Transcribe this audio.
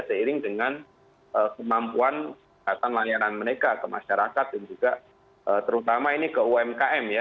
seiring dengan kemampuan layanan mereka ke masyarakat dan juga terutama ini ke umkm ya